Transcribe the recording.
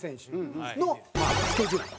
このスケジュール。